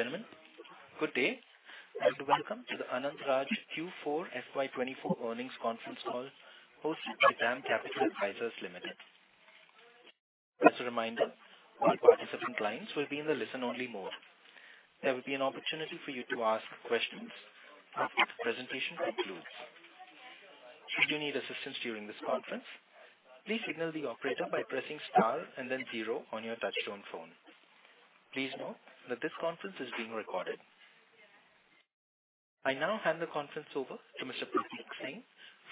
Ladies and gentlemen, good day. You're welcome to the Anant Raj Q4 FY24 earnings conference call hosted by DAM Capital Advisors Limited. As a reminder, all participant lines will be in the listen-only mode. There will be an opportunity for you to ask questions after the presentation concludes. Should you need assistance during this conference, please signal the operator by pressing star and then zero on your touchtone phone. Please note that this conference is being recorded. I now hand the conference over to Mr. Prateek Singh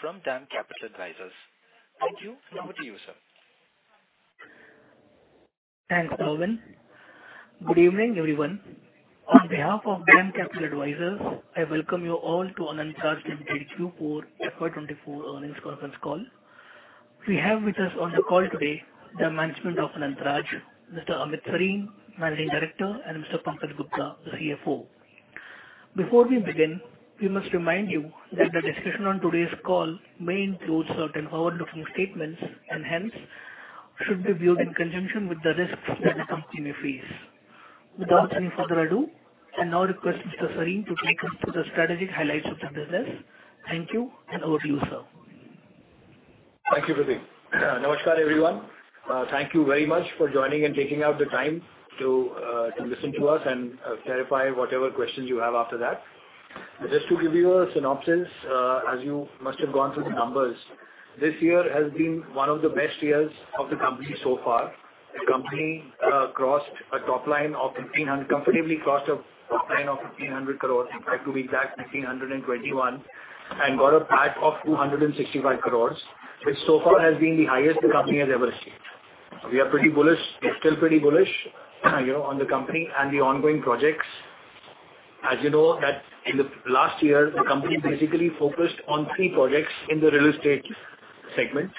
from DAM Capital Advisors. Thank you, and over to you, sir. Thanks, Erwin. Good evening, everyone. On behalf of DAM Capital Advisors, I welcome you all to Anant Raj Limited Q4 FY24 earnings conference call. We have with us on the call today the management of Anant Raj, Mr. Amit Sarin, Managing Director, and Mr. Pankaj Gupta, the CFO. Before we begin, we must remind you that the discussion on today's call may include certain forward-looking statements and hence should be viewed in conjunction with the risks that the company may face. Without any further ado, I now request Mr. Sarin to take us through the strategic highlights of the business. Thank you and over to you, sir. Thank you, Prateek. Namaskar, everyone. Thank you very much for joining and taking out the time to listen to us and clarify whatever questions you have after that. Just to give you a synopsis, as you must have gone through the numbers, this year has been 1 of the best years of the company so far. The company crossed a top line of 1,500 comfortably crossed a top line of 1,500 crores, if I have to be exact, 1,521, and got a PAT of 265 crores, which so far has been the highest the company has ever achieved. We are pretty bullish, still pretty bullish, on the company and the ongoing projects. As you know, in the last year, the company basically focused on 3 projects in the real estate segment.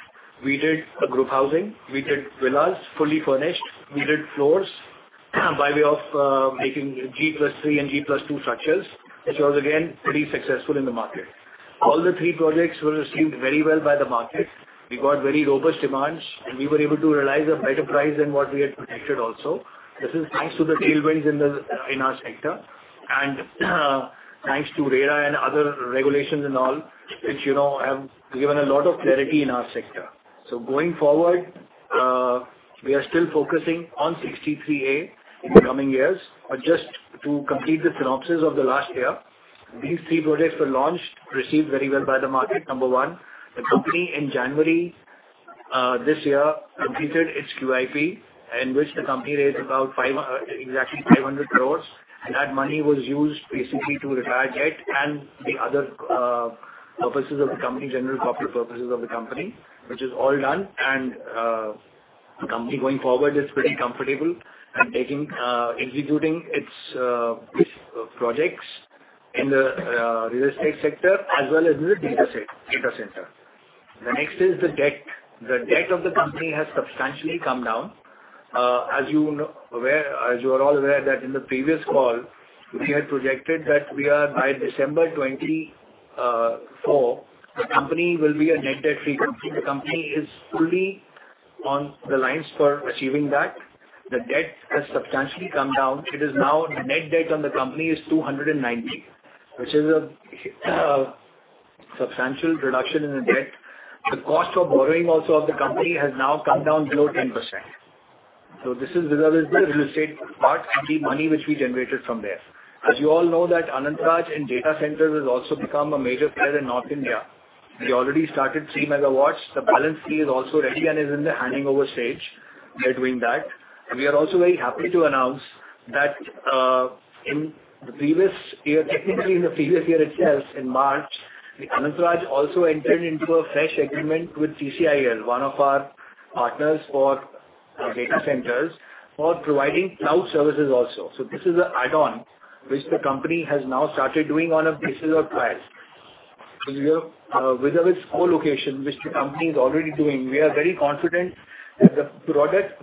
We did group housing. We did villas fully furnished. We did floors by way of making G+3 and G+2 structures, which was, again, pretty successful in the market. All three projects were received very well by the market. We got very robust demands, and we were able to realize a better price than what we had projected also. This is thanks to the tailwinds in our sector and thanks to RERA and other regulations and all, which have given a lot of clarity in our sector. So going forward, we are still focusing on 63A in the coming years. But just to complete the synopsis of the last year, these three projects were launched, received very well by the market, number one. The company in January this year completed its QIP, in which the company raised about exactly 500 crore. That money was used basically to retire debt and the other purposes of the company, general property purposes of the company, which is all done. The company, going forward, is pretty comfortable in executing its projects in the real estate sector as well as in the data center. The next is the debt. The debt of the company has substantially come down. As you are all aware that in the previous call, we had projected that by December 2024, the company will be a net debt-free company. The company is fully on the lines for achieving that. The debt has substantially come down. It is now the net debt on the company is 290, which is a substantial reduction in the debt. The cost of borrowing also of the company has now come down below 10%. This is related to the real estate part and the money which we generated from there. As you all know, Anant Raj in data centers has also become a major player in North India. We already started 3 MW. The balance 3 is also ready and is in the handing-over stage between that. We are also very happy to announce that in the previous year technically, in the previous year itself, in March, Anant Raj also entered into a fresh agreement with TCIL, one of our partners for data centers, for providing cloud services also. This is an add-on which the company has now started doing on a basis of clouds. With its co-location, which the company is already doing, we are very confident that the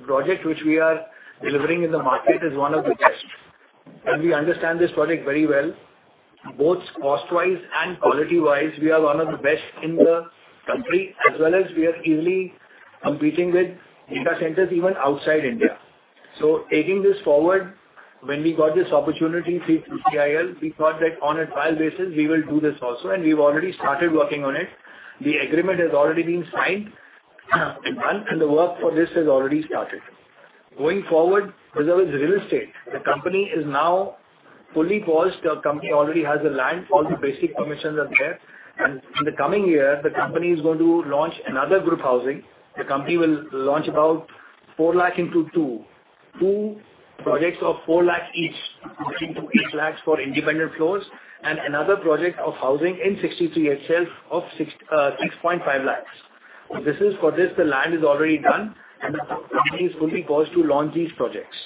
project which we are delivering in the market is one of the best. We understand this project very well, both cost-wise and quality-wise. We are one of the best in the country, as well as we are easily competing with data centers even outside India. So taking this forward, when we got this opportunity through TCIL, we thought that on a trial basis, we will do this also. And we've already started working on it. The agreement has already been signed and done, and the work for this has already started. Going forward, with real estate, the company is now fully paused. The company already has the land. All the basic permissions are there. And in the coming year, the company is going to launch another group housing. The company will launch about 4 lakh into two, two projects of 4 lakh each, up to 8 lakhs for independent floors, and another project of housing in 63 itself of 6.5 lakhs. For this, the land is already done, and the company is fully poised to launch these projects.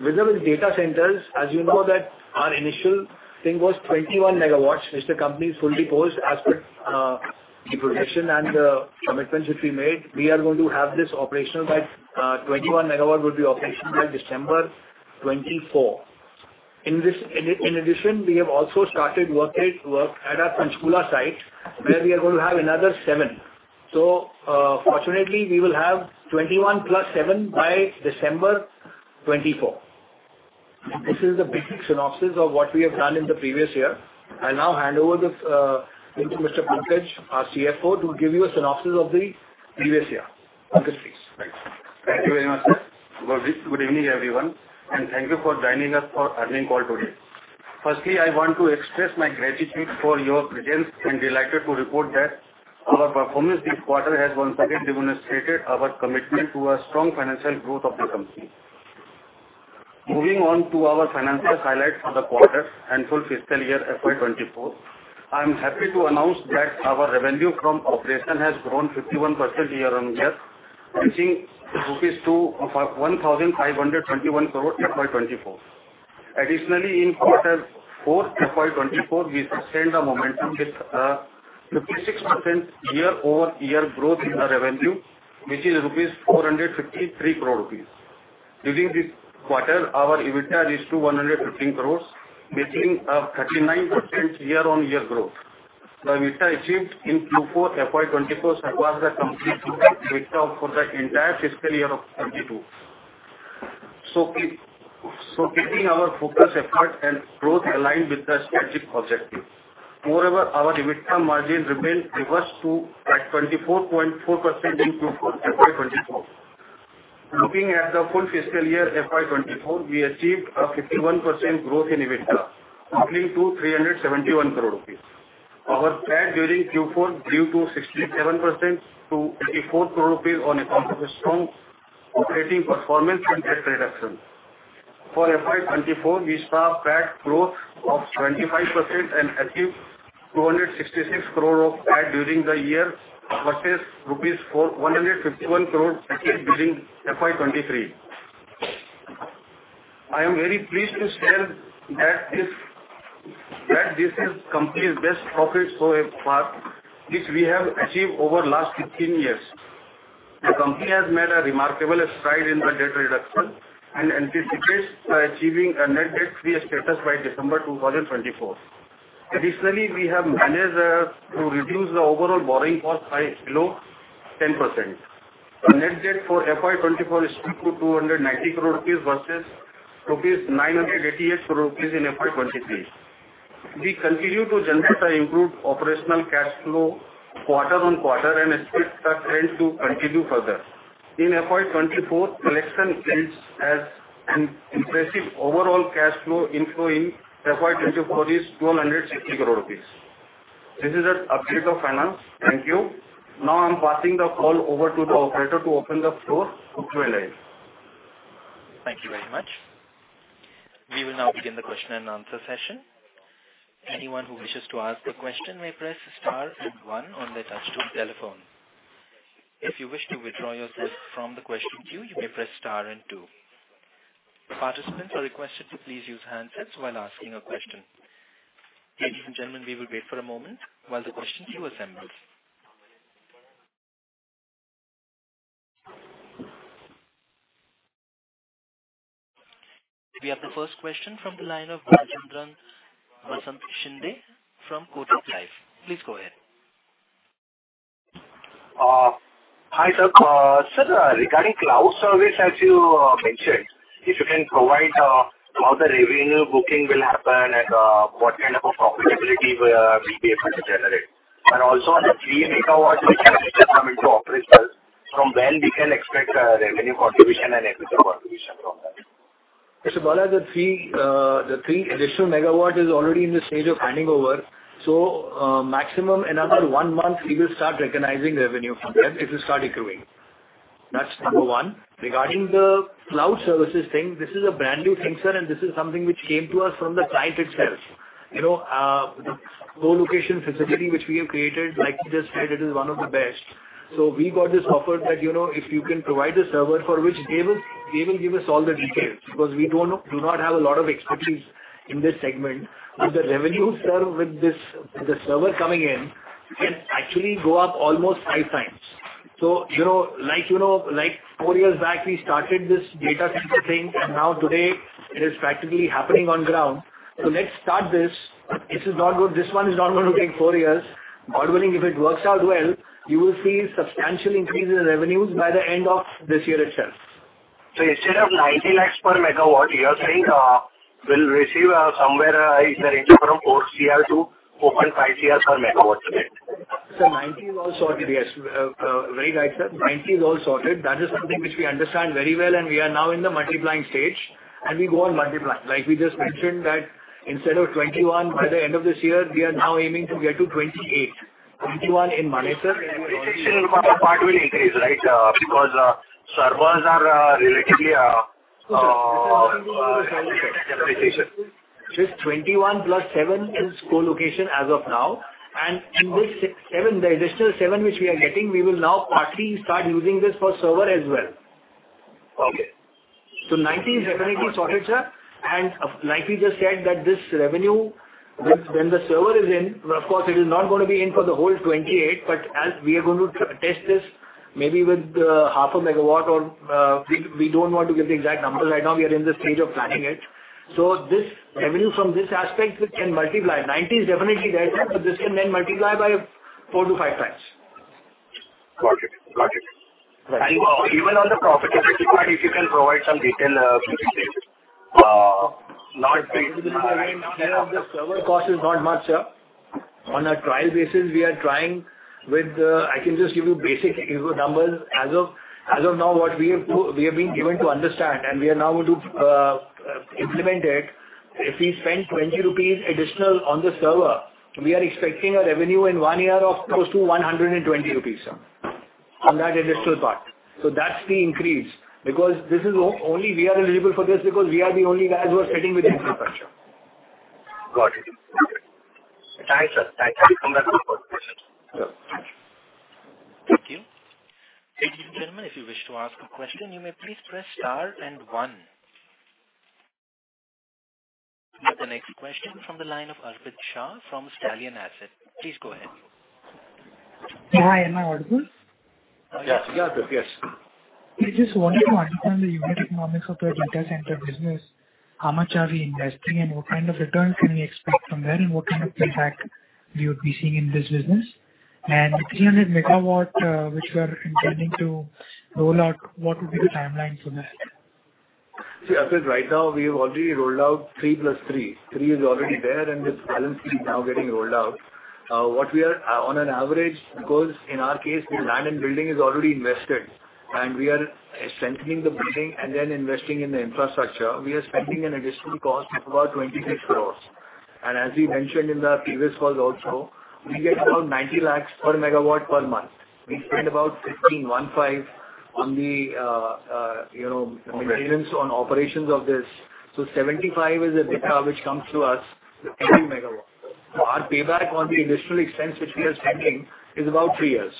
With data centers, as you know that our initial thing was 21 MW, which the company is fully poised as per the projection and the commitments which we made. We are going to have this operational by. 21 MW will be operational by December 2024. In addition, we have also started work at our Panchkula site where we are going to have another 7. So fortunately, we will have 21 + 7 by December 2024. This is the basic synopsis of what we have done in the previous year. I'll now hand over to Mr. Pankaj, our CFO, to give you a synopsis of the previous year. Pankaj, please. Thank you very much, sir. Good evening, everyone. Thank you for joining us for our earnings call today. Firstly, I want to express my gratitude for your presence and delighted to report that our performance this quarter has once again demonstrated our commitment to a strong financial growth of the company. Moving on to our financial highlights for the quarter and full fiscal year FY24, I'm happy to announce that our revenue from operation has grown 51% year-over-year, reaching INR 1,521 crores FY24. Additionally, in quarter 4 FY24, we sustained a momentum with a 56% year-over-year growth in our revenue, which is 453 crores rupees. During this quarter, our EBITDA reached 115 crores rupees, reaching a 39% year-over-year growth. The EBITDA achieved in Q4 FY24 surpassed the company's EBITDA for the entire fiscal year of 2022. So keeping our focus effort and growth aligned with the strategic objective, moreover, our EBITDA margin has reversed to 24.4% in Q4 FY24. Looking at the full fiscal year FY24, we achieved a 51% growth in EBITDA, amounting to INR 371 crores. Our PAT during Q4 grew by 67% to INR 284 crores on account of strong operating performance and debt reduction. For FY24, we saw PAT growth of 25% and achieved 266 crores of PAT during the year versus 151 crores rupees achieved during FY23. I am very pleased to share that this is the company's best profit so far, which we have achieved over the last 15 years. The company has made a remarkable stride in the debt reduction and anticipates achieving a net debt-free status by December 2024. Additionally, we have managed to reduce the overall borrowing cost to below 10%. The net debt for FY24 is fixed to INR 290 crores versus INR 988 crores in FY23. We continue to generate an improved operational cash flow quarter-over-quarter and expect the trend to continue further. In FY24, collection yields have an impressive overall cash flow inflow in FY24 is 1,260 crores rupees. This is an update of finance. Thank you. Now I'm passing the call over to the operator to open the floor to join us. Thank you very much. We will now begin the question-and-answer session. Anyone who wishes to ask a question may press star and one on their touch-tone telephone. If you wish to withdraw yourself from the question queue, you may press star and two. Participants are requested to please use handsets while asking a question. Ladies and gentlemen, we will wait for a moment while the question queue assembles. We have the first question from the line of Balchandran Vasant Shinde from Kotak Life. Please go ahead. Hi, sir. Sir, regarding cloud service, as you mentioned, if you can provide how the revenue booking will happen and what kind of profitability we'll be able to generate. Also on the 3 MW, which we just come into operational, from when we can expect revenue contribution and EBITDA contribution from that? Mr. Balaji, the 3 additional MW are already in the stage of handing over. So maximum in another 1 month, we will start recognizing revenue from them if we start accruing. That's number 1. Regarding the cloud services thing, this is a brand new thing, sir, and this is something which came to us from the client itself. The co-location facility which we have created, like you just said, it is one of the best. So we got this offer that if you can provide a server for which they will give us all the details because we do not have a lot of expertise in this segment. But the revenue, sir, with the server coming in, can actually go up almost 5 times. So like 4 years back, we started this data center thing, and now today, it is practically happening on ground. So let's start this. This one is not going to take four years. God willing, if it works out well, you will see substantial increase in revenues by the end of this year itself. Instead of 90 lakh per megawatt, you're saying we'll receive somewhere either an increase from 4 crore-4.5 crore per megawatt today? Sir, 90 is all sorted, yes. You're right, sir. 90 is all sorted. That is something which we understand very well, and we are now in the multiplying stage, and we go on multiplying. Like we just mentioned that instead of 21 MW by the end of this year, we are now aiming to get to 28, 21 MW, sir. The depreciation part will increase, right? because servers are relatively depreciated. Just 21 + 7 is co-location as of now. And in this 7, the additional 7 which we are getting, we will now partly start using this for server as well. So 90 is definitely sorted, sir. And like we just said that this revenue, when the server is in, of course, it is not going to be in for the whole 28, but as we are going to test this maybe with 0.5 MW or we don't want to give the exact numbers. Right now, we are in the stage of planning it. So this revenue from this aspect can multiply. 90 is definitely there, sir, but this can then multiply by 4-5 times. Got it. Got it. Even on the profitability part, if you can provide some detail. Right now, the server cost is not much, sir. On a trial basis, we are trying. With that, I can just give you basic numbers. As of now, what we have been given to understand, and we are now going to implement it, if we spend 20 rupees additional on the server, we are expecting a revenue in one year of close to 120 rupees, sir, on that additional part. So that's the increase because this is only we are eligible for this because we are the only guys who are sitting with the infrastructure. Got it. Thanks, sir. Thanks. I'll come back to the question. Sir, thank you. Thank you. Ladies and gentlemen, if you wish to ask a question, you may please press star and one. We have the next question from the line of Arpit Shah from Stallion Asset. Please go ahead. Hi. Am I audible? Yes. Yes, yes. We just wanted to understand the unit economics of the data center business. How much are we investing, and what kind of returns can we expect from there, and what kind of impact we would be seeing in this business? The 300 megawatt which we are intending to roll out, what would be the timeline for that? See, Arpit, right now, we have already rolled out 3 + 3. 3 is already there, and this balance three is now getting rolled out. What we are, on an average, because in our case, the land and building is already invested, and we are strengthening the building and then investing in the infrastructure. We are spending an additional cost of about 26 crore. And as we mentioned in the previous calls also, we get about 90 lakh per megawatt per month. We spend about 15.15 on the maintenance, on operations of this. So 75 is a bit which comes to us, the 20 MW. Our payback on the additional expense which we are spending is about 3 years.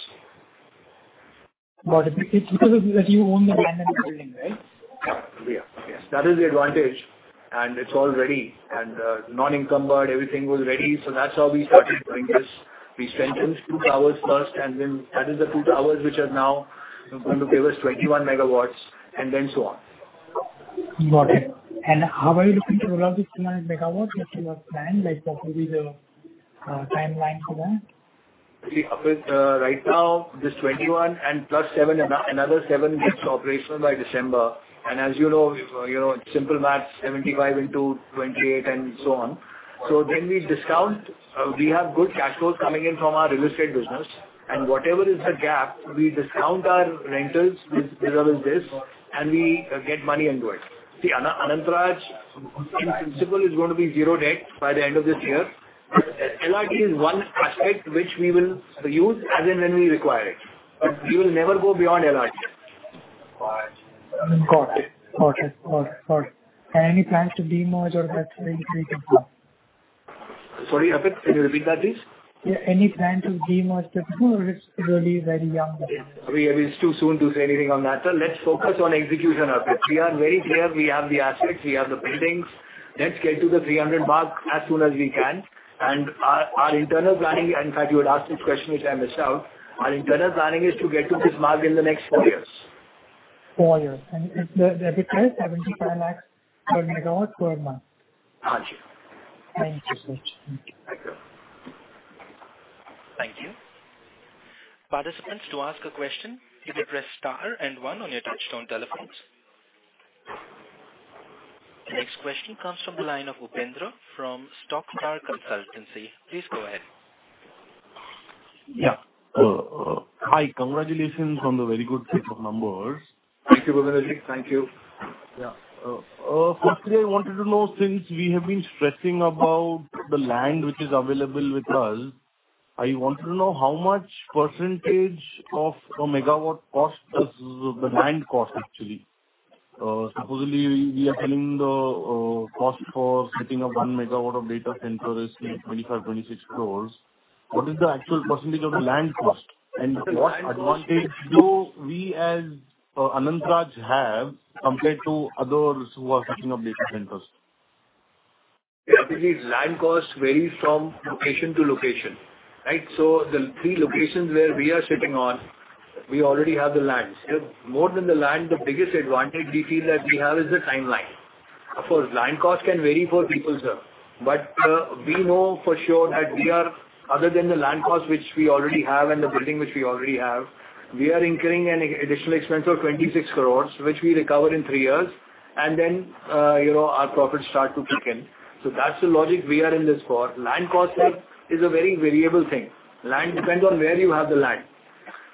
Got it. It's because that you own the land and the building, right? Yeah. Yeah. Yes. That is the advantage. And it's all ready, and non-encumbered, everything was ready. So that's how we started doing this. We strengthened two towers first, and then that is the two towers which are now going to give us 21 MW and then so on. Got it. And how are you looking to roll out this 200 MW as you have planned? What will be the timeline for that? See, Arpit, right now, this 21 and plus 7, another 7 gets operational by December. And as you know, simple math, 75 into 28 and so on. So then we discount we have good cash flows coming in from our real estate business. And whatever is the gap, we discount our rentals with all of this, and we get money into it. See, Anant Raj, in principle, is going to be zero debt by the end of this year. LRD is one aspect which we will use as in when we require it. We will never go beyond LRD. Got it. Got it. Got it. Got it. And any plans to demerge or that's very creative now? Sorry, Arpit, can you repeat that, please? Yeah. Any plans to demerge or it's really very young? It's too soon to say anything on that, sir. Let's focus on execution, Arpit. We are very clear. We have the assets. We have the buildings. Let's get to the 300 mark as soon as we can. And our internal planning in fact, you had asked this question which I missed out. Our internal planning is to get to this mark in the next four years. Four years. Arpit, INR 75 lakh per MW per month. Thank you. Thank you so much. Thank you. Thank you. Participants, to ask a question, you may press star and one on your touch-tone telephones. The next question comes from the line of Upendra from Stockstar Consultancy. Please go ahead. Yeah. Hi. Congratulations on the very good set of numbers. Thank you, Pankaj-ji. Thank you. Yeah. Firstly, I wanted to know since we have been stressing about the land which is available with us, I wanted to know how much percentage of a megawatt cost does the land cost, actually? Supposedly, we are telling the cost for setting up one megawatt of data center is 25 crore-26 crore. What is the actual percentage of the land cost, and what advantage do we as Anant Raj have compared to others who are setting up data centers? Yeah. Actually, land cost varies from location to location, right? So the three locations where we are sitting on, we already have the land. More than the land, the biggest advantage we feel that we have is the timeline. Of course, land cost can vary for people, sir. But we know for sure that we are other than the land cost which we already have and the building which we already have, we are incurring an additional expense of 26 crore which we recover in three years, and then our profits start to kick in. So that's the logic we are in this for. Land cost, sir, is a very variable thing. Land depends on where you have the land.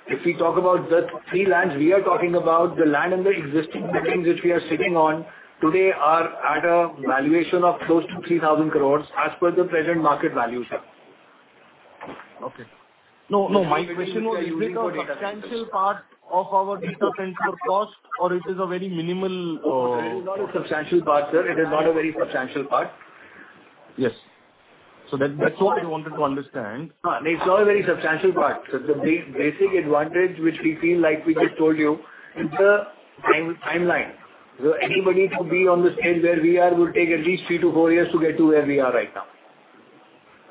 If we talk about the three lands, we are talking about the land and the existing buildings which we are sitting on today are at a valuation of close to 3,000 crore as per the present market value, sir. Okay. No, no. My question was, is it a substantial part of our data center cost, or it is a very minimal? It's not a substantial part, sir. It is not a very substantial part. Yes. So that's what I wanted to understand. It's not a very substantial part, sir. The basic advantage which we feel like we just told you is the timeline. Anybody to be on the stage where we are will take at least 3-4 years to get to where we are right now.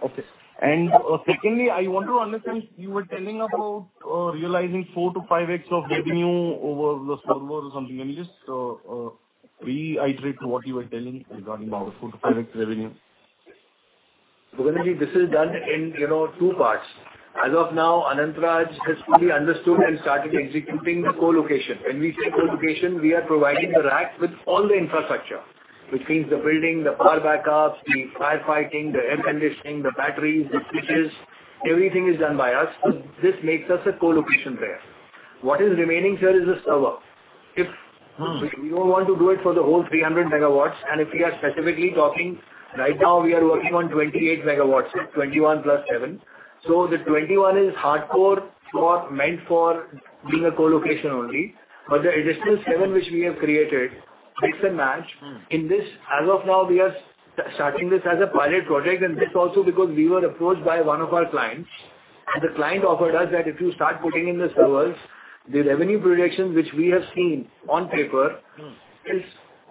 Okay. And secondly, I want to understand you were telling about realizing 4-5x of revenue over the server or something. Can you just reiterate what you were telling regarding our 4-5x revenue? Babanajik, this is done in two parts. As of now, Anant Raj has fully understood and started executing the co-location. When we say co-location, we are providing the rack with all the infrastructure, which means the building, the power backups, the firefighting, the air conditioning, the batteries, the switches. Everything is done by us. So this makes us a co-location there. What is remaining, sir, is the server. We don't want to do it for the whole 300 MW. And if we are specifically talking, right now, we are working on 28 MW, 21 + 7. So the 21 is hardcore meant for being a co-location only. But the additional 7 which we have created, mix and match, in this, as of now, we are starting this as a pilot project, and this also because we were approached by one of our clients. The client offered us that if you start putting in the servers, the revenue projection which we have seen on paper is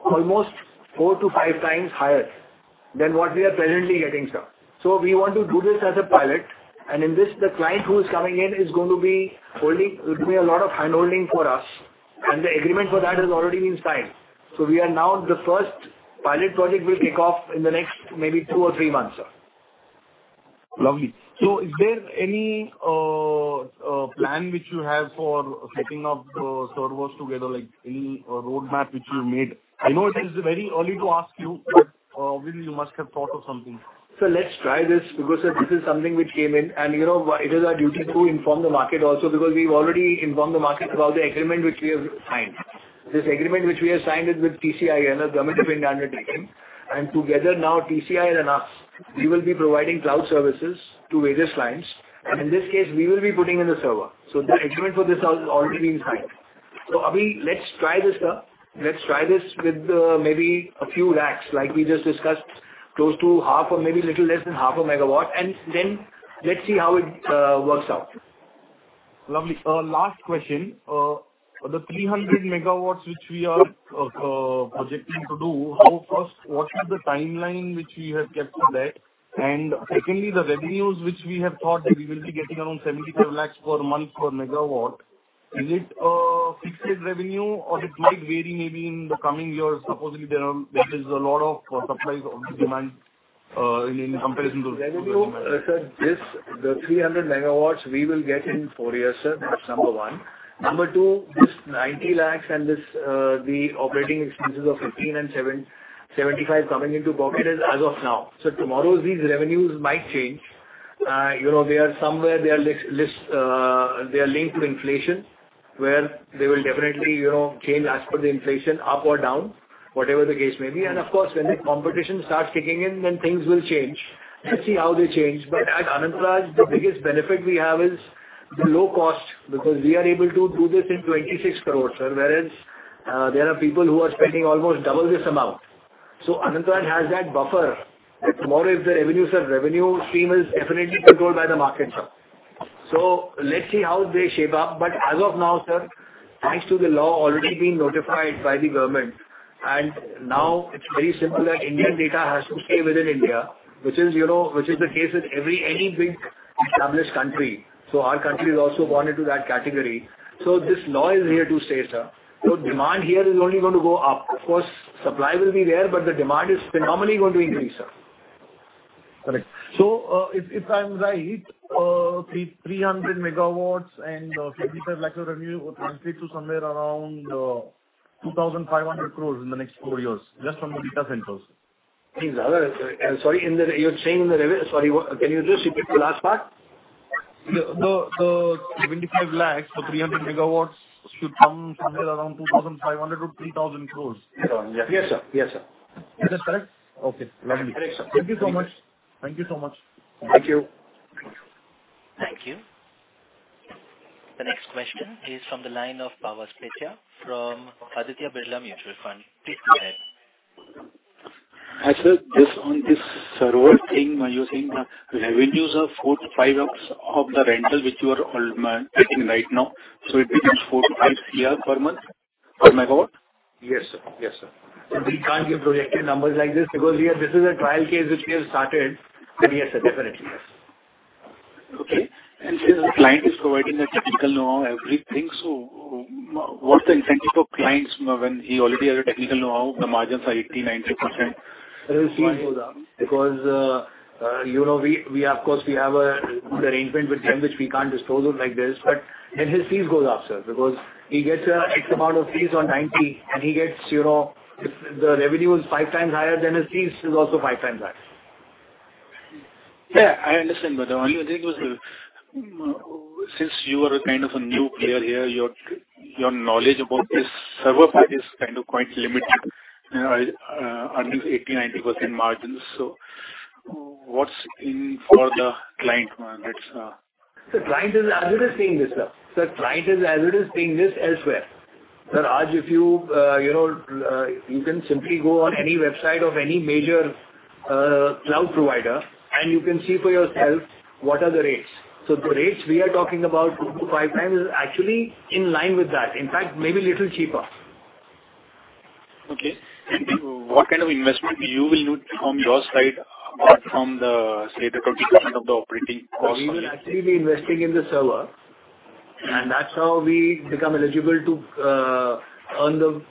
almost 4-5 times higher than what we are presently getting, sir. We want to do this as a pilot. In this, the client who is coming in is going to be holding it will be a lot of hand-holding for us, and the agreement for that has already been signed. We are now the first pilot project will kick off in the next maybe 2 or 3 months, sir. Lovely. So is there any plan which you have for setting up the servers together, any roadmap which you made? I know it is very early to ask you, but obviously, you must have thought of something. So let's try this because, sir, this is something which came in. And it is our duty to inform the market also because we've already informed the market about the agreement which we have signed. This agreement which we have signed is with TCIL, the Government of India Undertaking. And together now, TCIL and us, we will be providing cloud services to various clients. And in this case, we will be putting in the server. So Abhi, let's try this, sir. Let's try this with maybe a few racks like we just discussed, close to 0.5 or maybe a little less than 0.5 MW. And then let's see how it works out. Lovely. Last question. The 300 megawatts which we are projecting to do, first, what is the timeline which we have kept for that? And secondly, the revenues which we have thought that we will be getting around 75 lakhs per month per megawatt, is it fixed revenue, or it might vary maybe in the coming years? Supposedly, there is a lot of supply of demand in comparison to the revenue demand. Sir, the 300 MW, we will get in four years, sir. That's number one. Number two, this 90 lakhs and the operating expenses of 15 and 75 coming into pocket is as of now. So tomorrow, these revenues might change. They are somewhere they are linked to inflation where they will definitely change as per the inflation, up or down, whatever the case may be. And of course, when the competition starts kicking in, then things will change. Let's see how they change. But at Anant Raj, the biggest benefit we have is the low cost because we are able to do this in 26 crores, sir, whereas there are people who are spending almost double this amount. So Anant Raj has that buffer that tomorrow, if the revenues are revenue, the stream is definitely controlled by the market, sir. So let's see how they shape up. But as of now, sir, thanks to the law already being notified by the government, and now it's very simple that Indian data has to stay within India, which is the case with any big established country. So our country is also born into that category. So this law is here to stay, sir. So demand here is only going to go up. Of course, supply will be there, but the demand is phenomenally going to increase, sir. Correct. So if I'm right, 300 MW and 25 lakhs of revenue will translate to somewhere around 2,500 crores in the next four years just from the data centers. Sorry. You're saying in the sorry. Can you just repeat the last part? The INR 25 lakhs for 300 MW should come somewhere around INR 2,500-3,000 crores. Yes, sir. Yes, sir. Is that correct? Okay. Lovely. Correct, sir. Thank you so much. Thank you so much. Thank you. Thank you. The next question is from the line of Pavas Pethia from Aditya Birla Mutual Fund. Please go ahead. Arpit, on this server thing, are you saying the revenues are 4-5X of the rental which you are getting right now? So it becomes 4-5X per month per megawatt? Yes, sir. Yes, sir. We can't give projected numbers like this because this is a trial case which we have started. But yes, sir, definitely. Yes. Okay. Since the client is providing a technical know-how, everything, so what's the incentive for clients when he already has a technical know-how? The margins are 80%-90%. His fees go down because, of course, we have an arrangement with them which we can't disclose like this. But then his fees go down, sir, because he gets an X amount of fees on 90, and he gets if the revenue is 5 times higher than his fees, it's also 5 times higher. Yeah. I understand, but the only thing was since you are kind of a new player here, your knowledge about this server part is kind of quite limited, earnings 80%-90% margins. So what's in for the client? The client is as it is being this, sir. The client is as it is being this elsewhere. Sir, Arpit, if you can simply go on any website of any major cloud provider, and you can see for yourself what are the rates. So the rates we are talking about, 2-5 times, is actually in line with that. In fact, maybe a little cheaper. Okay. What kind of investment you will need from your side apart from the, say, the 30% of the operating cost? We will actually be investing in the server, and that's how we become eligible to earn the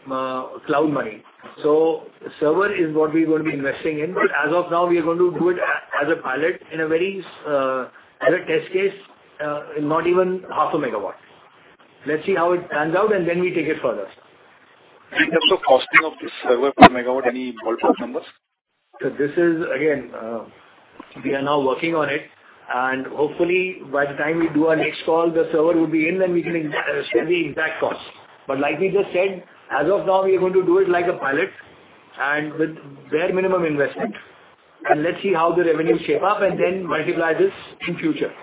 cloud money. So the server is what we're going to be investing in. But as of now, we are going to do it as a pilot in a very test case, not even 0.5 MW. Let's see how it turns out, and then we take it further. In terms of costing of this server per megawatt, any ballpark numbers? Sir, again, we are now working on it. And hopefully, by the time we do our next call, the server will be in, and we can show the exact cost. But like we just said, as of now, we are going to do it like a pilot and with bare minimum investment. And let's see how the revenues shape up and then multiply this in future.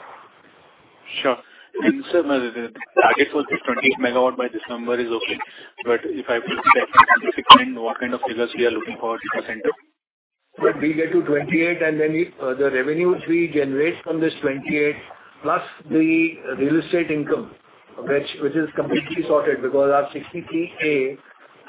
Sure. And sir, the target for this 28 MW by December is okay. But if I put back in the sixth month, what kind of figures we are looking for at the data center? We get to 28, and then the revenues we generate from this 28 plus the real estate income, which is completely sorted because our 63A,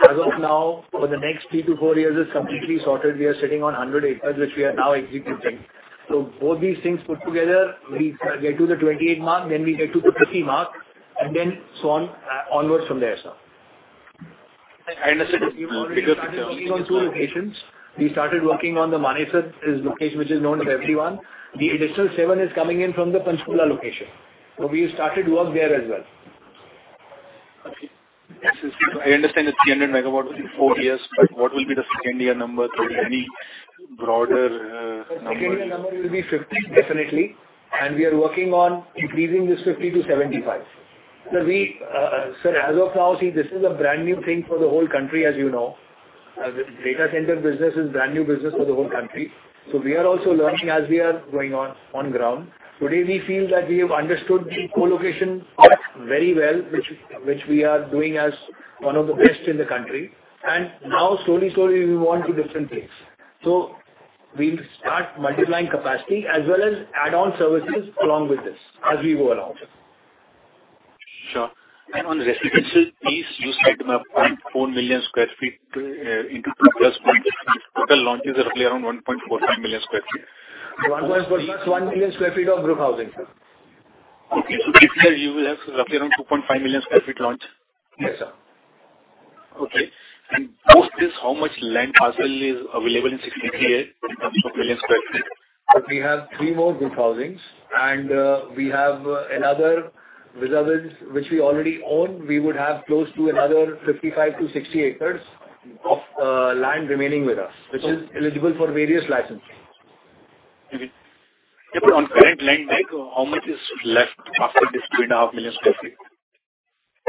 as of now, for the next 3-4 years, is completely sorted. We are sitting on 100 acres which we are now executing. So both these things put together, we get to the 28 mark, then we get to the 50 mark, and then so onwards from there, sir. I understand. Because we started working on two locations. We started working on the Manesar, is a location which is known to everyone. The additional 7 is coming in from the Panchkula location. So we started work there as well. Okay. I understand the 300 MW will be 4 years, but what will be the second-year number? Any broader number? The second-year number will be 50, definitely. We are working on increasing this 50 to 75. Sir, as of now, see, this is a brand new thing for the whole country, as you know. The data center business is a brand new business for the whole country. We are also learning as we are going on ground. Today, we feel that we have understood the co-location part very well, which we are doing as one of the best in the country. Now, slowly, slowly, we move on to different things. We'll start multiplying capacity as well as add-on services along with this as we go along, sir. Sure. And on the residential piece, you said about 4 million sq ft into 2 plus point. The total launches are roughly around 1.45 million sq ft. 1.45, 1 million sq ft of group housing, sir. Okay. This year, you will have roughly around 2.5 million sq ft launch? Yes, sir. Okay. And post this, how much land parcel is available in 63A in terms of million sq ft? We have three more group housings. We have another which we already own. We would have close to another 55-60 acres of land remaining with us, which is eligible for various licenses. Okay. Yeah, but on current land bank, how much is left after this 2.5 million sq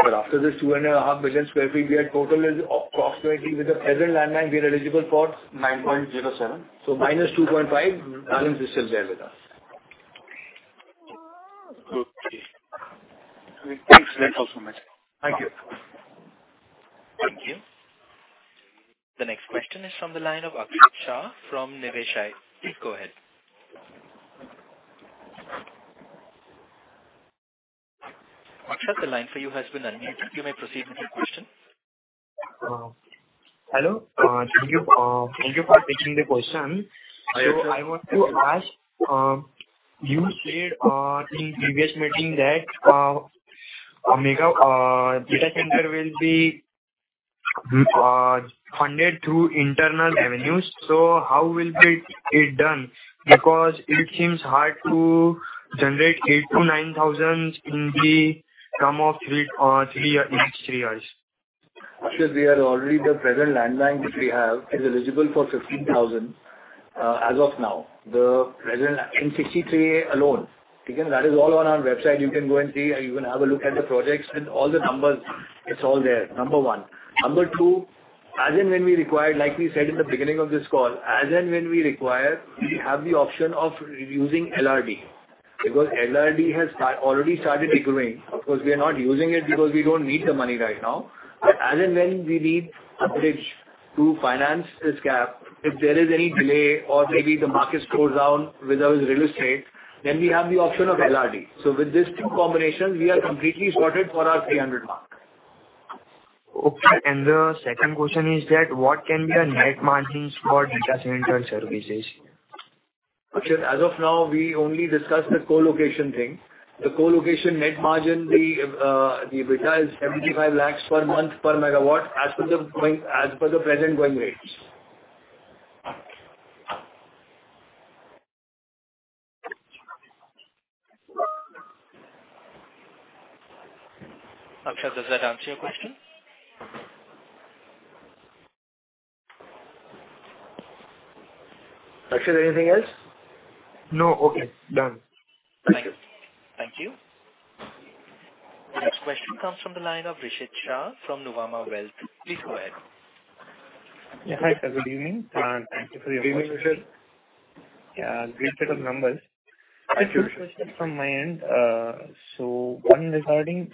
ft? After this 2.5 million sq ft, we are total approximately, with the present land bank, we are eligible for? 9.07. Minus 2.5, balance is still there with us. Okay. Okay. Thanks a lot, so much. Thank you. Thank you. The next question is from the line of Akshat Shah from Niveshaay. Please go ahead. Akshat, the line for you has been unmuted. You may proceed with your question. Hello. Thank you for taking the question. So I want to ask, you said in previous meeting that a data center will be funded through internal revenues. So how will it be done? Because it seems hard to generate 8,000-9,000 in the term of 3 years. Sir, we are already the present land bank which we have is eligible for 15,000 as of now in 63A alone. That is all on our website. You can go and see. You can have a look at the projects with all the numbers. It's all there, number one. Number two, as in when we require, like we said in the beginning of this call, as in when we require, we have the option of using LRD because LRD has already started growing. Of course, we are not using it because we don't need the money right now. But as in when we need a bridge to finance this gap, if there is any delay or maybe the market slows down with our real estate, then we have the option of LRD. So with these two combinations, we are completely sorted for our 300 mark. Okay. The second question is that what can be our net margins for data center services? Sir, as of now, we only discussed the co-location thing. The co-location net margin, the EBITDA is 75 lakhs per month per megawatt as per the present going rates. Akshat, does that answer your question? Akshat, anything else? No. Okay. Done. Thank you. Thank you. The next question comes from the line of Rishit Shah from Nuvama Wealth. Please go ahead. Hi, sir. Good evening. Thank you for your time. Good evening, Rishit. Yeah. Great set of numbers. Thank you. Question from my end. One regarding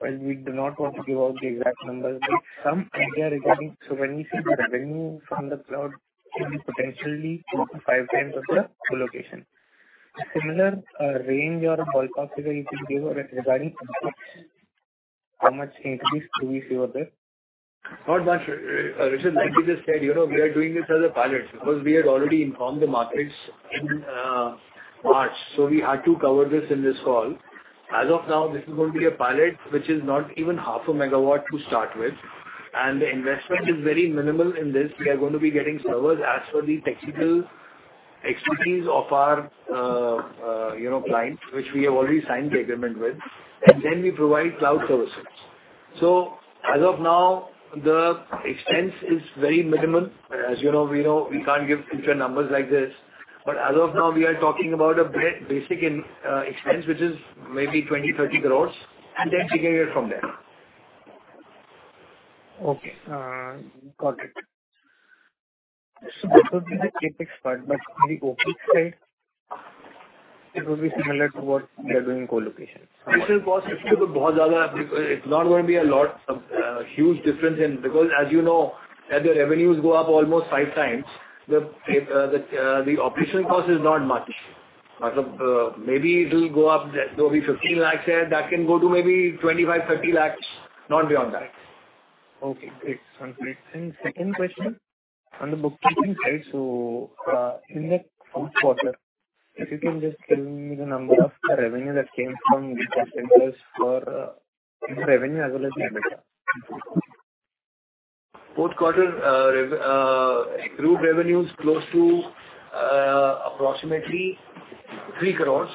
while we do not want to give out the exact numbers, some idea regarding when we see the revenue from the cloud, it can be potentially 2-5 times of the co-location. Similar range or ballpark figure you can give regarding how much increase do we see over there? Not much. Rishit, like we just said, we are doing this as a pilot because we had already informed the markets in March. We had to cover this in this call. As of now, this is going to be a pilot which is not even 0.5 MW to start with. The investment is very minimal in this. We are going to be getting servers as per the technical expertise of our client, which we have already signed the agreement with. Then we provide cloud services. So as of now, the expense is very minimal. As you know, we can't give future numbers like this. But as of now, we are talking about a basic expense which is maybe 20-30 crores, and then figure it from there. Okay. Got it. So this will be the Apex part, but in the OPEX side, it will be similar to what they're doing co-location somewhat. This will cost, it's not going to be a huge difference because as you know, as the revenues go up almost 5 times, the operational cost is not much. Maybe it will go up to maybe 15 lakhs there. That can go to maybe 25, 30 lakhs, not beyond that. Okay. Great. Sounds great. Second question on the bookkeeping side, so in the fourth quarter, if you can just give me the number of revenue that came from data centers for revenue as well as the data? Fourth quarter, group revenues close to approximately 3 crore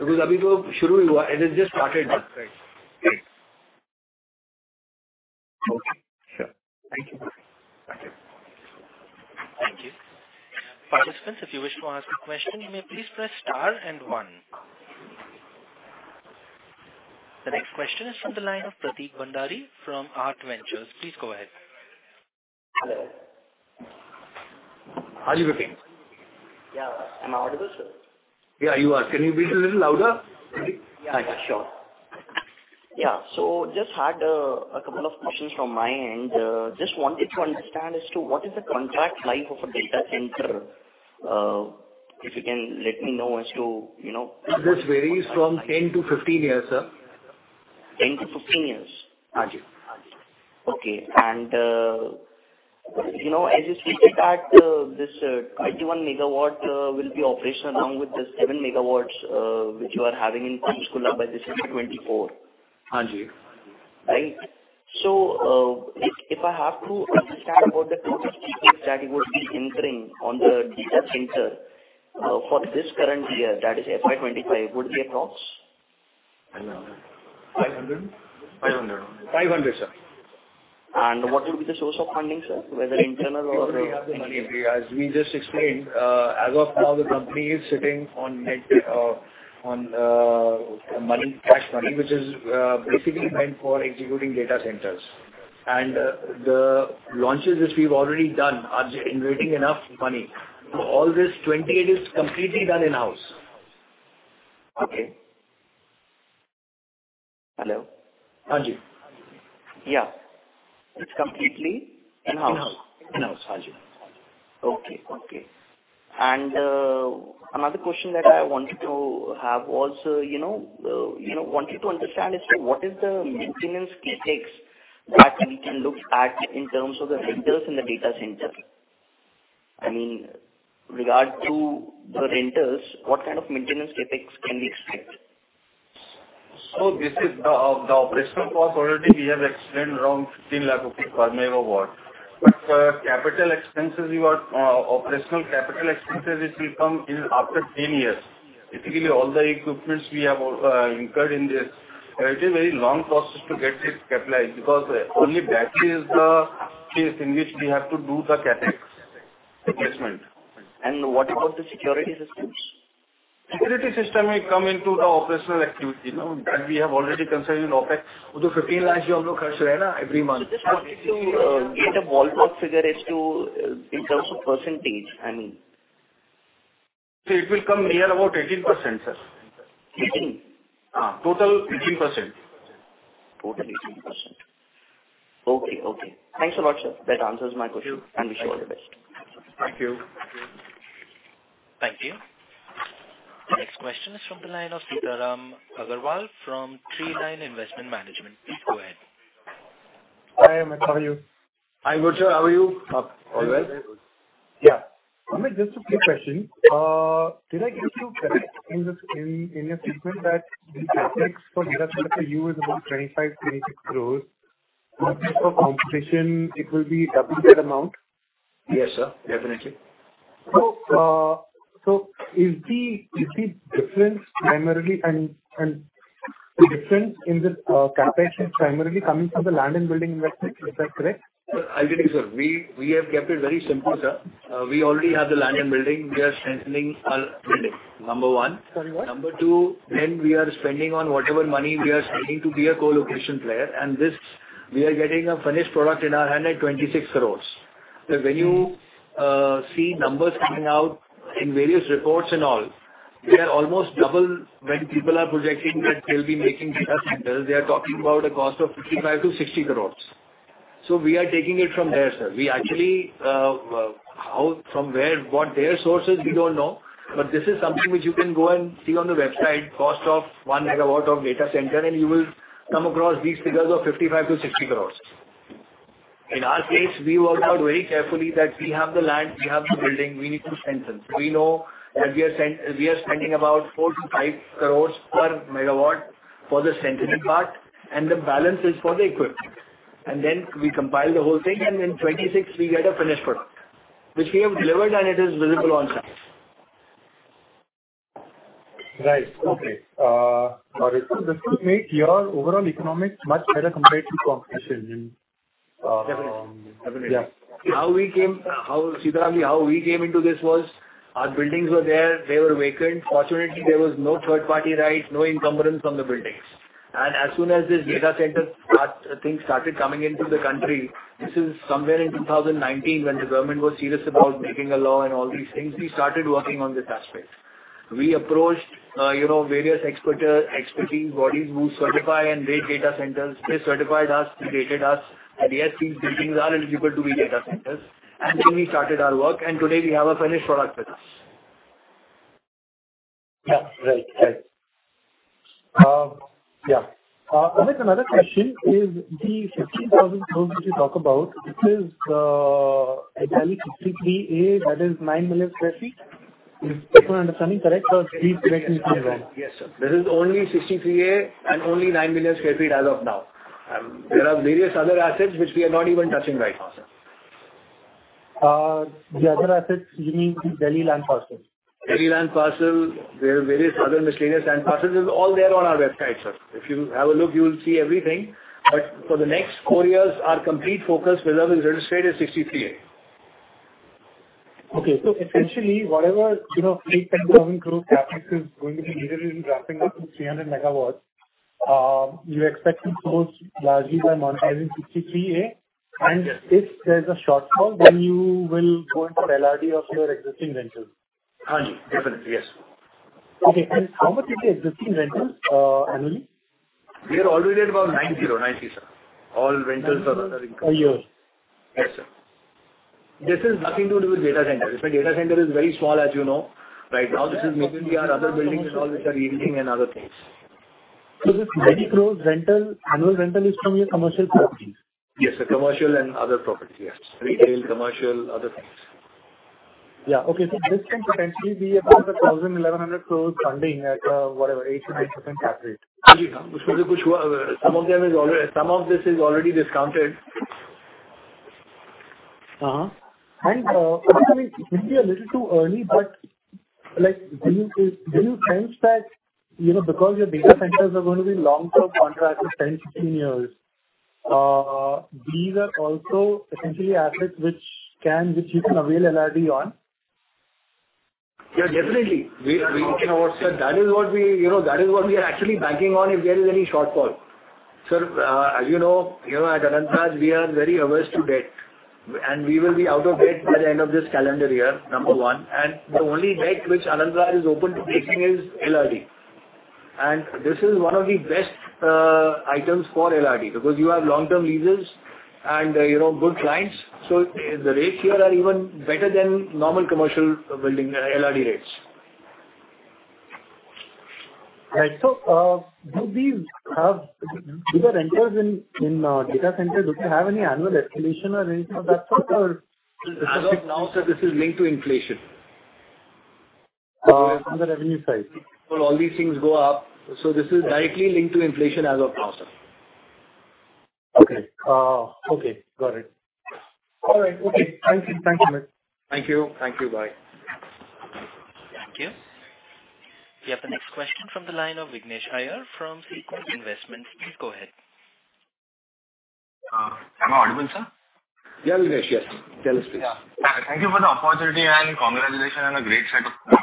because अभी तो शुरू ही हुआ, it has just started. That's right. Right. Okay. Sure. Thank you. Thank you. Participants, if you wish to ask a question, you may please press star and one. The next question is from the line of Prateek Bhandari from Arth Ventures. Please go ahead. Hello. How are you doing? Yeah. Am I audible, sir? Yeah, you are. Can you be a little louder? Yeah. Sure. Yeah. So just had a couple of questions from my end. Just wanted to understand as to what is the contract life of a data center, if you can let me know as to. This varies from 10-15 years, sir. 10-15 years? Haji. Okay. As you speak to that, this 21 megawatts will be operational along with the 7 megawatts which you are having in Panchkula by December 2024? Haji. Right? So if I have to understand what the cost of equipment that it would be entering on the data center for this current year, that is FY25, would it be approximately? 500? 500. 500, sir. What would be the source of funding, sir, whether internal or? As we just explained, as of now, the company is sitting on cash money which is basically meant for executing data centers. The launches which we've already done are generating enough money. All this 28 is completely done in-house. Okay. Hello? Haji. Yeah. It's completely in-house? In-house. In-house. Haji. Okay. Okay. And another question that I wanted to have was wanted to understand as to what is the maintenance CapEx that we can look at in terms of the renters in the data center? I mean, regard to the renters, what kind of maintenance CapEx can we expect? This is the operational cost already. We have explained around 15 lakh rupees per megawatt. Capital expenses, operational capital expenses, it will come in after 10 years. Basically, all the equipments we have incurred in this, it is a very long process to get this capitalized because only battery is the case in which we have to do the CAPEX replacement. What about the security systems? Security system will come into the operational activity. That we have already considered in OPEX. The INR 15 lakhs, you have no cash, right, every month? I just wanted to get a ballpark figure as to in terms of percentage, I mean. It will come near about 18%, sir. 18? Total 18%. Total 18%. Okay. Okay. Thanks a lot, sir. That answers my question. Wish you all the best. Thank you. Thank you. The next question is from the line of Sitaram Agarwal from Tree Line Investment Management. Please go ahead. Hi, Amit. How are you? Hi, good sir. How are you? All well? Yeah. Amit, just a quick question. Did I get you correct in your statement that the CAPEX for data center for you is about 25-26 crore? For competition, it will be double that amount? Yes, sir. Definitely. So is the difference primarily and the difference in this CAPEX is primarily coming from the land and building investment? Is that correct? I'm getting, sir. We have kept it very simple, sir. We already have the land and building. We are strengthening our building, number one. Sorry, what? Number 2, then we are spending on whatever money we are spending to be a co-location player. We are getting a finished product in our hand at 26 crore. When you see numbers coming out in various reports and all, they are almost double when people are projecting that they'll be making data centers. They are talking about a cost of 55 crore-60 crore. We are taking it from there, sir. We actually, from what their sources, we don't know. This is something which you can go and see on the website, cost of 1 MW of data center, and you will come across these figures of 55 crore-60 crore. In our case, we worked out very carefully that we have the land, we have the building, we need to strengthen. We know that we are spending about 4-5 crore per megawatt for the strengthening part, and the balance is for the equipment. Then we compile the whole thing, and in 2026, we get a finished product which we have delivered, and it is visible on site. Right. Okay. Got it. So this will make your overall economics much better compared to competition in. Definitely. Definitely. Yeah. How we came, Sitaramji, how we came into this was our buildings were there. They were vacant. Fortunately, there was no third-party rights, no encumbrance on the buildings. And as soon as this data center thing started coming into the country, this is somewhere in 2019 when the government was serious about making a law and all these things, we started working on this aspect. We approached various expert bodies who certify and rate data centers. They certified us, they rated us, and yes, these buildings are eligible to be data centers. And then we started our work. And today, we have a finished product with us. Yeah. Right. Right. Yeah. Amit, another question is the 15,000 crore which you talk about, this is entirely 63A, that is 9 million sq ft. Is this my understanding correct, or please correct me if I'm wrong? Yes, sir. This is only 63A and only 9 million sq ft as of now. There are various other assets which we are not even touching right now, sir. The other assets, you mean the Delhi land parcel? Delhi land parcel, there are various other miscellaneous land parcels. It's all there on our website, sir. If you have a look, you will see everything. But for the next four years, our complete focus with our real estate is 63A. Okay. So essentially, whatever 8,000 crore CAPEX is going to be needed in ramping up to 300 MW, you expect to close largely by monetizing 63A. And if there's a shortfall, then you will go into LRD of your existing rentals. Haji. Definitely. Yes. Okay. How much is the existing rentals annually? We are already at about 90, 90, sir, all rentals and other income. Per year? Yes, sir. This has nothing to do with data center. If a data center is very small, as you know, right now, this is mainly our other buildings and all which are heating and other things. This INR 90 crore rental, annual rental is from your commercial properties? Yes, sir. Commercial and other properties, yes. Retail, commercial, other things. Yeah. Okay. So this can potentially be about 1,000 crore-1,100 crore funding at whatever, 8%-9% cap rate. Which means some of them is already, some of this is already discounted. Amit, it may be a little too early, but do you sense that because your data centers are going to be long-term contracts of 10, 15 years, these are also essentially assets which you can avail LRD on? Yeah, definitely. That is what we are actually banking on if there is any shortfall. Sir, as you know, at Anant Raj, we are very averse to debt. And we will be out of debt by the end of this calendar year, number one. And the only debt which Anant Raj is open to taking is LRD. And this is one of the best items for LRD because you have long-term leases and good clients. So the rates here are even better than normal commercial building LRD rates. Right. So do the renters in data centers have any annual escalation or anything of that sort, or is this? As of now, sir, this is linked to inflation. On the revenue side? All these things go up. So this is directly linked to inflation as of now, sir. Okay. Okay. Got it. All right. Okay. Thank you. Thank you, Amit. Thank you. Thank you. Bye. Thank you. We have the next question from the line of Vignesh Iyer from Sequent Investments. Please go ahead. Am I audible, sir? Yeah, Vignesh. Yes. Tell us, please. Yeah. Thank you for the opportunity, and congratulations, and a great set of good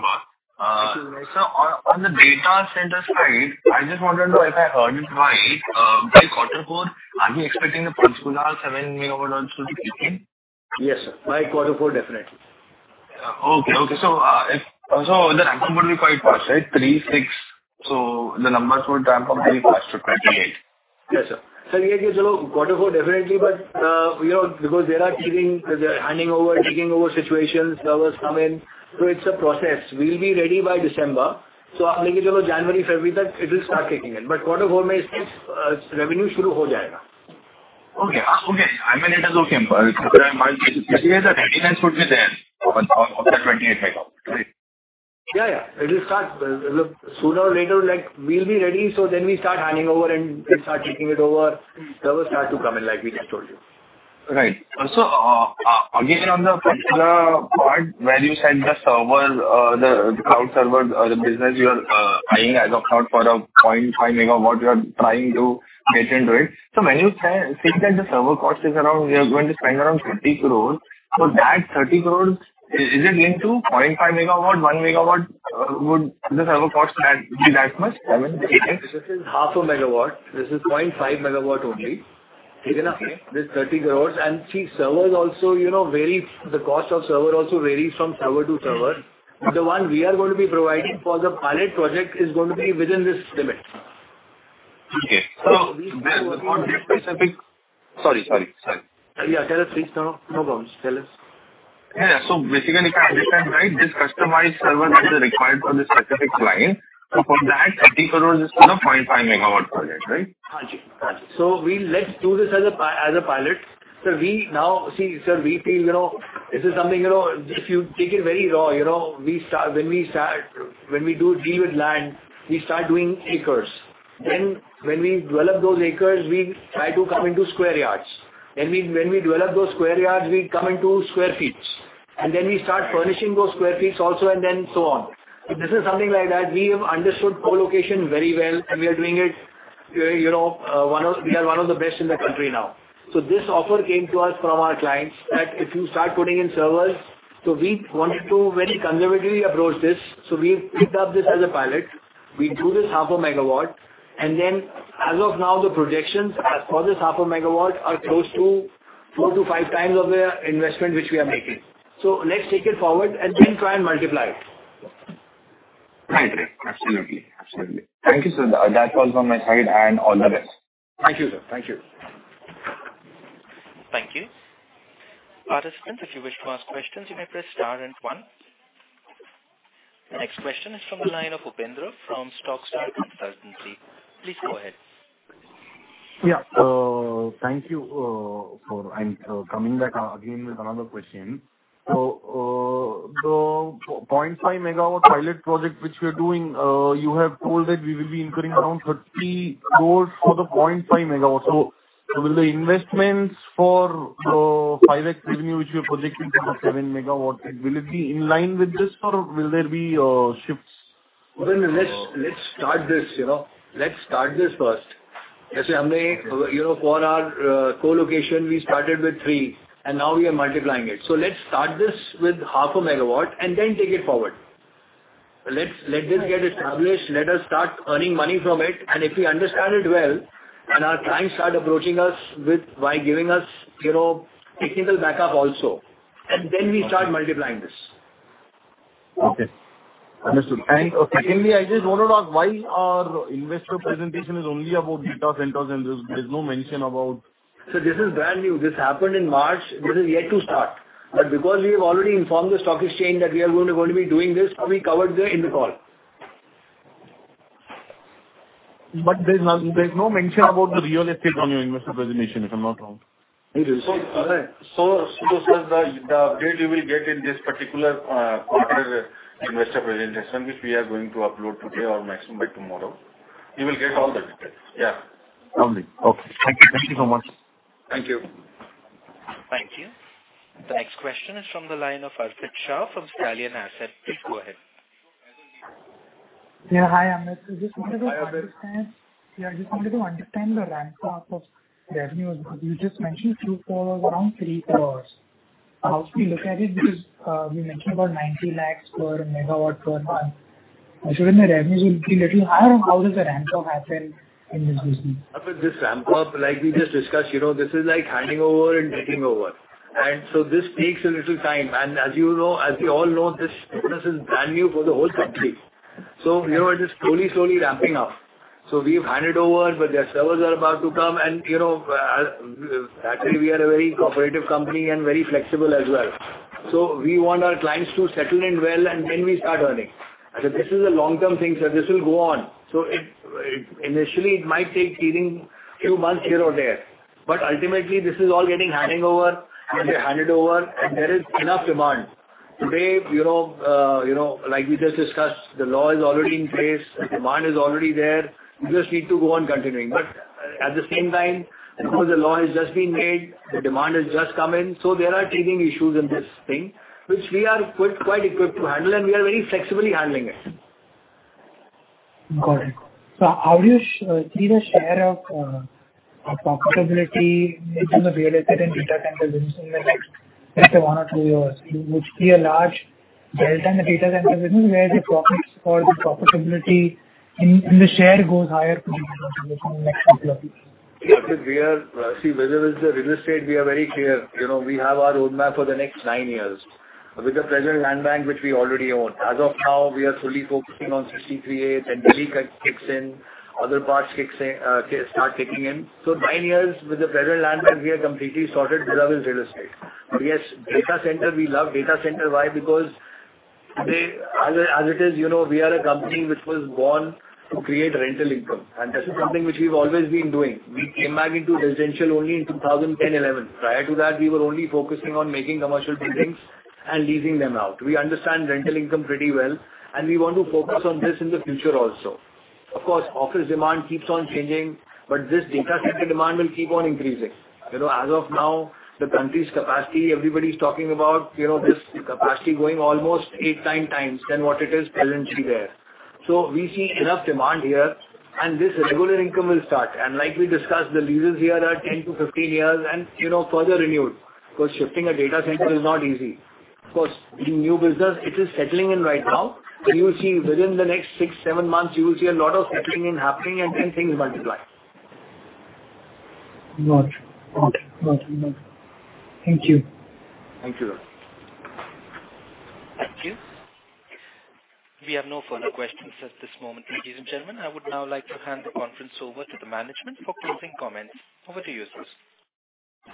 luck. Thank you, Vignesh. So on the data center side, I just wanted to know if I heard it right, by quarter four, are we expecting the Panchkula 7 MW to be complete? Yes, sir. By quarter four, definitely. Okay. Okay. So the ramp-up would be quite fast, right? 3, 6, so the numbers would ramp up very fast to 28. Yes, sir. So we are going to do quarter four, definitely, but because they are handing over, taking over situations, servers come in, so it's a process. We'll be ready by December. So I'm thinking, January/February time, it will start kicking in. But quarter four, revenue शुरू हो जाएगा. Okay. Okay. I mean, it is okay. But it is okay that readiness would be there on the 28th megawatt, right? Yeah, yeah. It will start sooner or later. We'll be ready, so then we start handing over, and we start taking it over. Servers start to come in like we just told you. Right. So again, on the Panchkula part where you said the server, the cloud server, the business you are buying as of now for 0.5 megawatt, you are trying to get into it. So when you say that the server cost is around, we are going to spend around 30 crore, for that 30 crore, is it linked to 0.5 megawatt, 1 megawatt, would the server cost be that much, 7, 8, 10? This is 0.5 MW. This is 0.5 MW only. Even after this 30 crore, and see, servers also vary. The cost of server also varies from server to server. The one we are going to be providing for the pilot project is going to be within this limit. Okay. So on this specific, sorry, sorry, sorry. Yeah. Tell us, please. No problems. Tell us. Yeah. So basically, if I understand right, this customized server that is required for this specific client, so for that INR 30 crores, it's not 0.5 MW project, right? Haji. Haji. So we'll let's do this as a pilot. So now, see, sir, we feel this is something if you take it very raw, when we do deal with land, we start doing acres. Then when we develop those acres, we try to come into square yards. Then when we develop those square yards, we come into sq ft. And then we start furnishing those sq ft also, and then so on. If this is something like that, we have understood co-location very well, and we are doing it. We are one of the best in the country now. So this offer came to us from our clients that if you start putting in servers so we wanted to very conservatively approach this. So we picked up this as a pilot. We do this 0.5 MW. And then as of now, the projections for this 0.5 MW are close to 4-5 times of the investment which we are making. So let's take it forward and then try and multiply it. Right. Right. Absolutely. Absolutely. Thank you, sir. That was on my side, and all the best. Thank you, sir. Thank you. Thank you. Participants, if you wish to ask questions, you may press star and one. The next question is from the line of Upendra from Stockstar Consultancy. Please go ahead. Yeah. Thank you for coming back again with another question. So the 0.5 megawatt pilot project which we are doing, you have told that we will be incurring around 30 crore for the 0.5 megawatt. So will the investments for the 5x revenue which we are projecting for the 7 megawatts, will it be in line with this, or will there be shifts? Amit, let's start this. Let's start this first. Let's say, for our co-location, we started with 3, and now we are multiplying it. So let's start this with 0.5 MW and then take it forward. Let this get established. Let us start earning money from it. And if we understand it well and our clients start approaching us by giving us technical backup also, and then we start multiplying this. Okay. Understood. And okay, Amit, I just wanted to ask, why our investor presentation is only about data centers, and there's no mention about? This is brand new. This happened in March. This is yet to start. Because we have already informed the stock exchange that we are going to be doing this, we covered it in the call. There's no mention about the real estate on your investor presentation, if I'm not wrong. It is. So, sir, the update you will get in this particular quarter investor presentation, which we are going to upload today or maximum by tomorrow, you will get all the details. Yeah. Lovely. Okay. Thank you. Thank you so much. Thank you. Thank you. The next question is from the line of Arpit Shah from Stallion Assets. Please go ahead. Yeah. Hi, Amit. I just wanted to understand yeah, I just wanted to understand the ramp-up of revenues because you just mentioned 2-4 crores, around 3 crores. How should we look at it because you mentioned about 90 lakhs per megawatt per month? I assume the revenues will be a little higher. How does the ramp-up happen in this business? Amit, this ramp-up, like we just discussed, this is handing over and taking over. And so this takes a little time. And as you know, as we all know, this business is brand new for the whole country. So it is slowly, slowly ramping up. So we have handed over, but their servers are about to come. And that way, we are a very cooperative company and very flexible as well. So we want our clients to settle in well, and then we start earning. I said, "This is a long-term thing, sir. This will go on." So initially, it might take a few months here or there. But ultimately, this is all getting handed over, and they handed over, and there is enough demand. Today, like we just discussed, the law is already in place. The demand is already there. You just need to go on continuing. At the same time, because the law has just been made, the demand has just come in. There are teething issues in this thing which we are quite equipped to handle, and we are very flexibly handling it. Got it. So how do you see the share of profitability in the real estate and data center business in the next, let's say, one or two years? Would it be a large delta in the data center business where the profits or the profitability in the share goes higher for the data center business in the next couple of years? Amit, see, whether it's the real estate, we are very clear. We have our roadmap for the next 9 years with the present land bank which we already own. As of now, we are fully focusing on 63A, then Delhi kicks in. Other parts start kicking in. So 9 years, with the present land bank, we are completely sorted with our real estate. But yes, data center, we love data center. Why? Because as it is, we are a company which was born to create rental income. And this is something which we've always been doing. We came back into residential only in 2010, 2011. Prior to that, we were only focusing on making commercial buildings and leasing them out. We understand rental income pretty well, and we want to focus on this in the future also. Of course, office demand keeps on changing, but this data center demand will keep on increasing. As of now, the country's capacity, everybody's talking about this capacity going almost 8-9 times than what it is presently there. So we see enough demand here, and this regular income will start. And like we discussed, the leases here are 10-15 years and further renewed because shifting a data center is not easy. Of course, new business, it is settling in right now. And you will see within the next 6-7 months, you will see a lot of settling in happening, and then things multiply. Got it. Got it. Got it. Thank you. Thank you, sir. Thank you. We have no further questions at this moment. Ladies and gentlemen, I would now like to hand the conference over to the management for closing comments. Over to you, sir.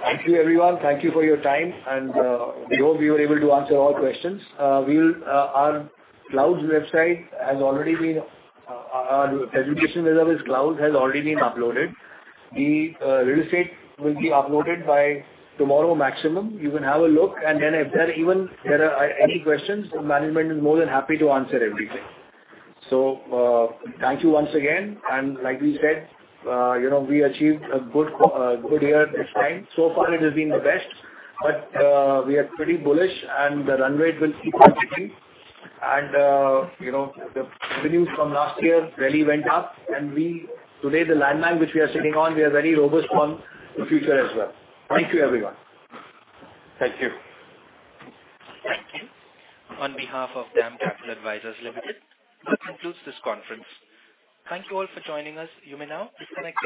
Thank you, everyone. Thank you for your time. We hope we were able to answer all questions. Our cloud website has already been uploaded. Our presentation, results for cloud, has already been uploaded. The real estate will be uploaded by tomorrow, maximum. You can have a look. Then if there are even any questions, management is more than happy to answer everything. So thank you once again. Like we said, we achieved a good year this time. So far, it has been the best. But we are pretty bullish, and the run rate will keep on kicking. The revenues from last year really went up. Today, the land bank which we are sitting on, we are very robust on the future as well. Thank you, everyone. Thank you. Thank you. On behalf of DAM Capital Advisors Limited, this concludes this conference. Thank you all for joining us. You may now disconnect.